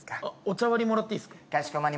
お茶割りもらっていいですか？